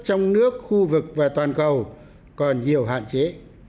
trong nước khu vực và toàn cầu còn nhiều hạn chế